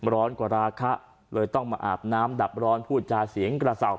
ร้อนกว่าราคะเลยต้องมาอาบน้ำดับร้อนพูดจาเสียงกระเสา